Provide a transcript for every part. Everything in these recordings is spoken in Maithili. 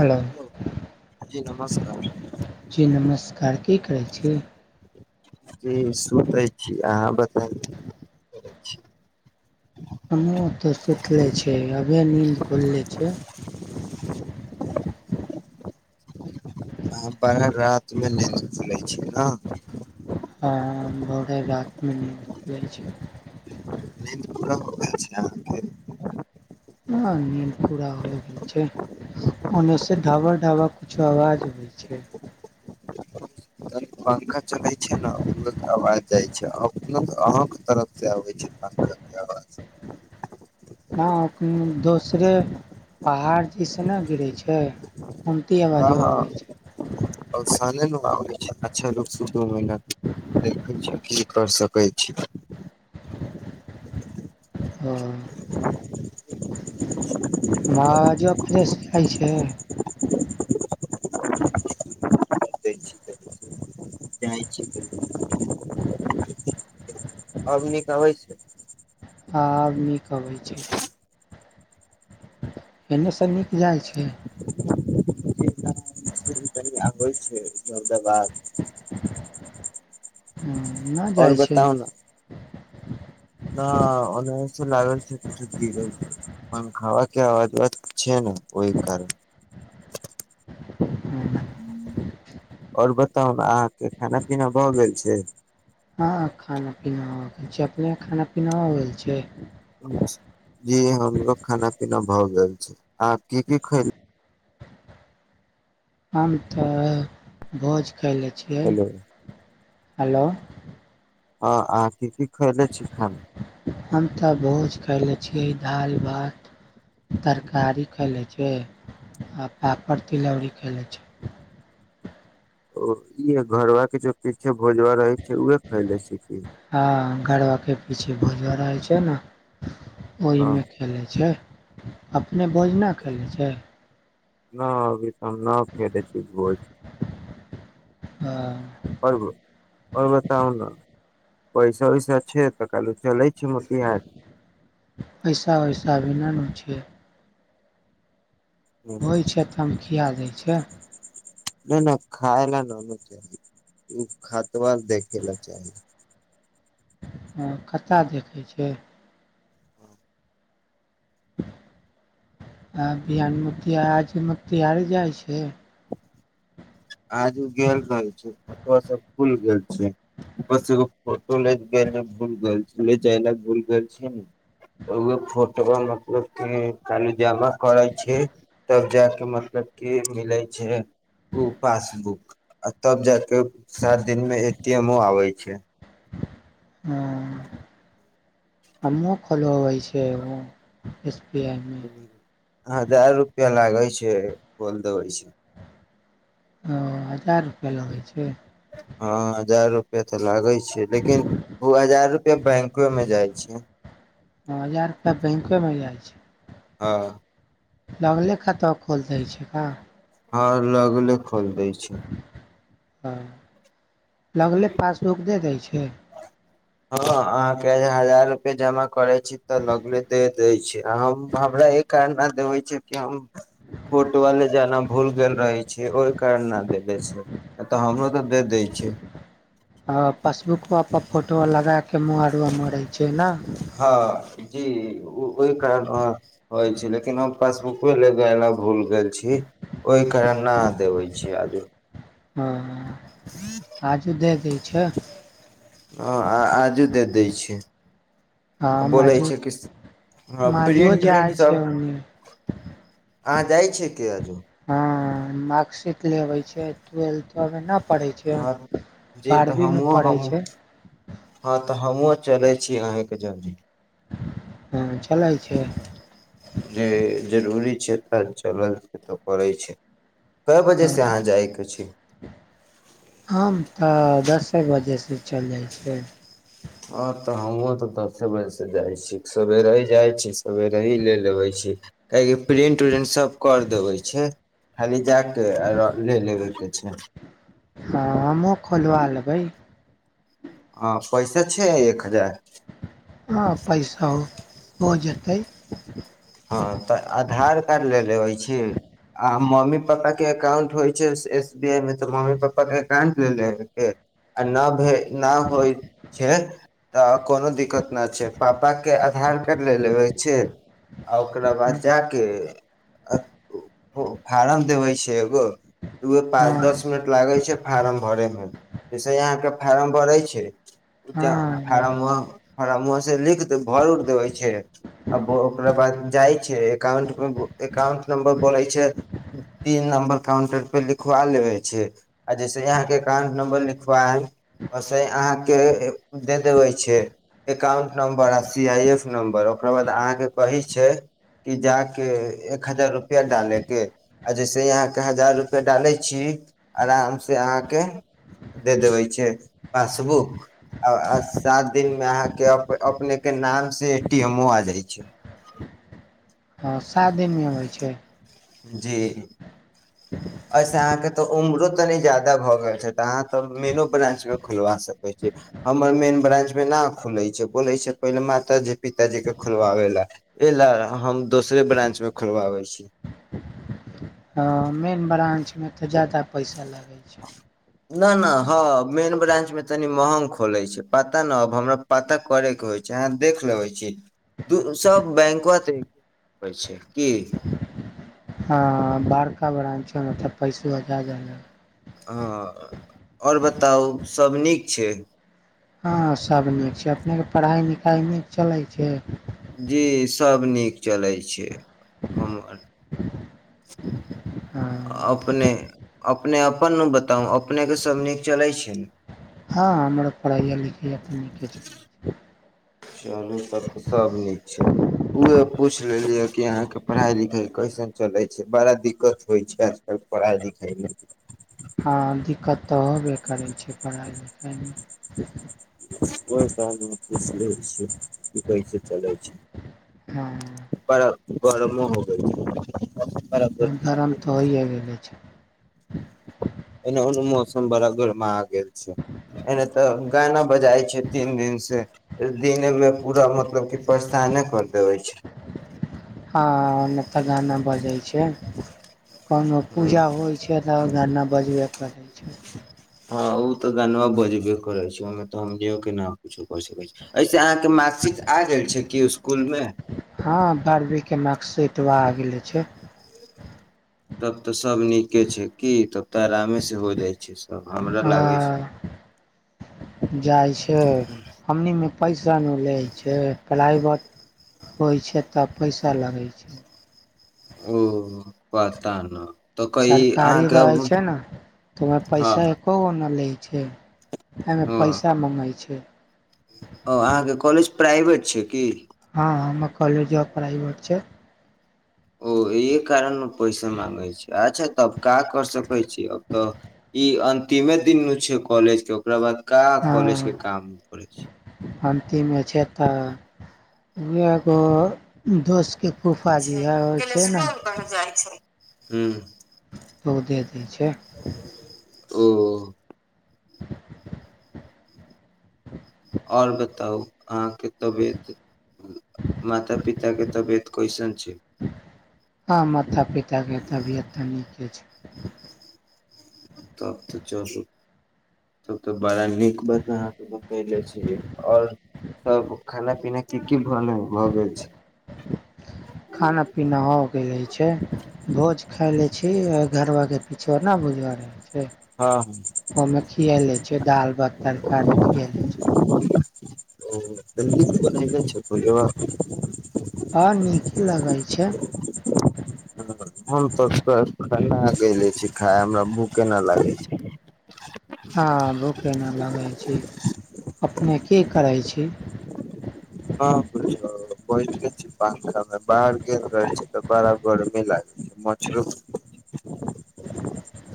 हेलो जी नमस्कार जी नमस्कार की करै छी जी सुतै छी अहाँ बताइ हमूतय सुति लै छि अभिये नीन्द खुललै छै [inaudible] अ बारह रातिमे निंद खुलै छी ने हँ घर रातमे निंद खुलै छी निंद पूरक हो गेल छै अहाँके ह निंद पूरा हो गेल छै ओने से ढा़बा ढा़बा कुछो आवज हो ठीक छै तनि पंखा चलै छै ने ओ आवाज जाइ छै आ अपना तऽ अहाँके तरफसँ आबै छै पखाके आवाज ह दोसरे पहाड़ जैस ने गिरै छै की आवाजो आबै छै स आबै छै अच्छा रूकु दु मिनट देखे छै कर सकै छी हँ [unintelligible] जाइ छी [inaudible] अभनिक अबै छै आब नीक अबै छै एन्ने स नीक जाइ छै ह होइ छैय नहि आओर जाइ छै बताउ न न ओन से लागे छै किछु गीरे छै पंखबाके अवाज छै ने ओहि कारन ह आओर बताउ ने अहाँके खाना पीना भऽ गेल छै हँ खाना पीना आ गेल छै अपने खाना पीना आ गेल छै जी हमरो खाना पीना भऽ गेल छै आ की की खयली हम तऽ भोज ख़ाय लै छियै हेलो हेलो आ आथी हम तऽ भोज कयले छियै दाल भात तरकारी खा लै छै आ पापड़ तिलौरी खाय लै छै ओ ई घरवा जो पीछे भोजवा रहै छै उह खैले छी कि गड़बाके पीछे भोजऽ रहै छै ने न ओहिमे खेलै छै अपने भोजना खय लै छै न अभी त हम न फेदे छी बोल आ, परब पव त उ पैसा वैसा छै तऽ कालू चलै छै मोतिहारी पैसा वैसा विनान छै नहि होइ छै त हम खिया दै छै नहि नहि खाय ल न ने चाही ओ खातवार देखे ल चाही हँ कतय देखै छै आ बिहानमे आजम तिहार जाइ छै आज ओ गेल रह छै खतआ सब खुल गेल छै बसो फोटो लै गेल भूल घर छै लै जाइ ल भूल घर छै ने उ फोटो मतलब क काल जमा करै छै तब ज के मतलब के मिलै छै ओ पासबुक आ तब जााके सात दिन मे ए टी एमो आबे छै हँ अम्मो खोल होइ छै बी आई मे ह हजार रुपआ लागै छै बोल दबै छै ओ हजार रुपआ लगै छै हँ हजार रुपआ तऽ लागै छै लेकिन ओ हजार रुपैआ बैंकोमे जाइत छै अप बैंकोमे जाइ छी हँ लगले खाता खोल दै छि का ह लगले खोल दै छै हँ लगले पासबुक दे दै छै हँ अहाँके हजार रूपआ जमा करै छी तऽ लगने दे दै छी आ हम एहि कान भर डेबे छै केहु फोटवाले जेाना भूल गेल रहै छै ओहि कारणना देले छै तऽ हमरो तऽ दे दै छै [unintelligible] ह पासबुकोपर फोटो लगा कऽ महरआ मरै छै ने हँ जी ओहि कारण हो छै लेकिन हम पासबुक लेग एला भूल गेल छी ओहि कारण न देबै छी आजू ह आजू दे दै छै ह आजु दे द छै ह बोलै माजू छै कि माजुओ प्रिंट जाइ प्रिंटसभ छै ओन्ने हँ जाइ छै कि हजु हँ मार्कशीट लेबै छै ट्वेल्थ न पढ़ै छै हँ जी तऽ बारहवीमे हमहुँ पढ़ै हम छै हँ तऽ हमहूँ चलै छी अहेके जल्दी हँ चलै छै जे जरूरी छै चलल से तऽ पड़ै छै कए बजे ह से अहाँ जायके छै के बजे से चलि जाइ छै ह तऽ हमहुँ तऽ दसे बजे से जाइ छी सबेरे ही जाय छी सवेरे ही लेल अबइ छी ठीक काहि प्रिंट उरिंट सब कर देबे छै खाली जा कऽ आ ल लेबे के छै हँ हमूँ खोलवा लबय ह पैसा छै एक हजार आ पैसा हो हो जेतै हँ तऽ आधार कार्ड लेले अबई छी आ मम्मी पापा के एकाउंट होइ छै एस बी आई मे तऽ मम्मी पापा के एकाउंट लेे लेबेए के आ न भे न होइ छै तऽ कोनो दिक्कत नहि छै पापाके आधार कार्ड लए लेबै अबैए छै आ ओकरा हँ बाद जा के आ उ फार्म देबै छै एगो उहे पाँच दस मिनट लागै छै फार्म भरय मे जैसे अहाँ के फार्म भरै छै हँ बोलै फ्मो छै फार्मो से लिख देब भर उर देबे छै आ ओकरा बाद जाइ छै एकाउंट मे बोलई एकाउंट नम्बर बोले छै तीन नंबर काउंटर लिखवा लेवे छै आ जैसे यहाँ के एकाउंट नंबर लिखवाम है अहाँ के दे देबे छै एकाउंट नंबर आ सी आइ एफ नंबर ओकरा बाद अहाँ के कही छै कि जा के एक हजार रुपआ डाले के आ जैसे यहाँ के हजार रुपआ डाले छी आराम से अहाँ के दे देबे छै पासबुक आ सात दिन मे अहाँ के अपने के नाम से एटीमो आ जाइ छै हँ सात दिनमे होइ छै जी ह एहिसँ अहाँके तऽ उम्रो तनी ज्यादा भऽ गेल छै तऽ अहाँ तऽ मेनो ब्रां्चमे खुलवा सकैत छी हमर मेन ब्रां्च मे ना खुले छै बोले छै पहिले मातााजी पिताजी के खोलवाबे ला ल हम दोसरे ब्रानं्च मे खोलबाबै छी मेन ब्रानंच में तऽ जादा पैसा लाग न न ह मेन ब्रांच में तनि महंग खोले छै पता न अब हमरा पता करे के होय छै आह देख लू होइ छै सब बैंको हँ बारका ब्राच के मतलब पैसो आ जादा हँ आओर बताउ सभ नीक छै हँ सभ नीक छै अपने के पढ़ाई लिखाइ नहि चलैत छै जी सब नीक चलै छै हँ [unintelligible] अपने अपने अपन बताउ अपने के सब नीक चलैत छै हँ हमर पढ़ाईया लिखाय तऽ नीके छै चलू तब तऽ सभ नीक छै उहे पूछ लेलिय कि अहा के पढ़ाई लिखाई कैसन चले छै बड़ा दिक्कत होई छै आजकल के पढ़ई लिखाई [unintelligible] में हँ दिक्कत तऽ होबे करै छै पढ़ाई लिखाइ मे कोइ कामे पुछ ल छै कि कैसे चलै छै हँ बरा गरमो हो गल छै बड़ा गरमी आ गरम गेल तऽ छै होइए गेलै छै एना ओन मौसम बरा गर्मा आ गेल छै एने तऽ गाना बजााय छै तीन दिन से दिन में पूरा मतलब कि परेशाने करतै छै हँ ओने तऽ गाना बजै छै कोनो पूजा हँ होइत छै त गना बजबे करैत छैक हँ ओ तऽ गाना बजबे करैत छैक ओहिमे तऽ हमो केना कुछो कर सकैत छी मार्कशीट आ गेल छै स्कुल मे हँ बारहवीं के मार्कशीटवा आ छै तब तऽ सब नीके छै कि तब तऽ आरामे से हो जाइ छैक आ जाइत छै हमनी पैसा नहि लै छै प्राइवेट होइ छै तब पैसा लगै छै ओ पता ने सरकारी रहै छै ने तऽ ओहिमे हँ पैसा एक्को गो नहि लै छै एहिमे हँ पैसा मँगैत छै ओ अहाँके कॉलेज प्राइवेट छै कि हँ हमर कॉलेज प्राइवेट छै ओ इहे कारण मे पैसा माँंगै छै अच्छा त का कर सकै छी अब तऽ इ अंतिमे दिन न छै कॉलेज के ओकरा बाद का कॉलेज हँ के काम पड़ै छै अन्तिमे छै तऽ यगो दोस्तके छै [unintelligible] बढ जाइ छै ह लोको दऽ दै छै ओ [inaudible] आओर बताउ अहाँके तबियत माता पिता के तबियत कैसन छै हँ माता पिताके तबियत तऽ नीके छै तब तऽ चल तब तऽ बड़ा नीक बात अहाँके बतले छी और सब खाना पीना की की भ भऽ गेल छै खाना पीना हो गेले छै भोज खाय ले छी घर बा पिछु नहि बुझै रहलै छै हँ ओहिमे खिए लै छियै दालि भात तरकारी खिए लै छैय [unintelligible] आ नीक लगे छै हम तऽ खेना गले छी खाय हमरा भूखेना लागै छै हँ भूखेना लगै छी अपनेके करै छी ह बइठल छी पंखा मे बाहर गेल रहल छी तऽ बड़ा गरमी लाग मछरो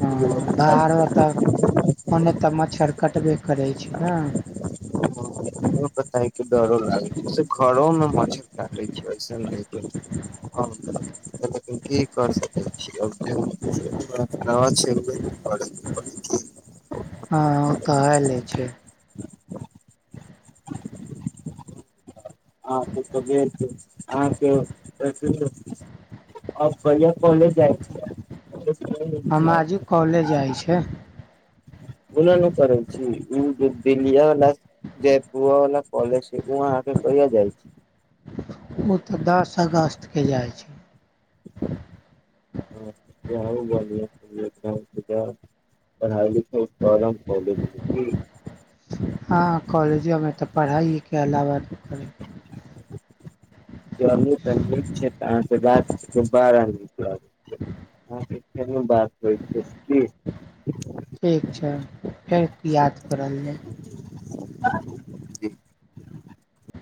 हँ दहारो तऽ ओने तऽ मच्छर कटबे करै छै हँ बता के डरो लागै छै घरो मे मच्छर काटे छै सेन [inaudible] की करि सकै छी [unintelligible] हँ ओ तऽ हले छै [unintelligible] ह त [unintelligible] अ बढ़आ कॉलेज जाय छै हम आजू कॉलेज जाइ छै ओना नहि करै छी ओ दिल्लियावला जयपुरा वला कॉलेज ओह आग कहिया जाइ छै क जाइ छै न्य पढ़ाइ लिखा करव कॉलेज मे हँ कॉलेजोमे तऽ पढ़ाइके अलावा करै चलू तऽ नीक छै तऽ अहाँ सै बात कऽ बारा नीक लागै छै बात होै [inaudible] छै की ठीक छै फेर याद करलियै जी [inaudible]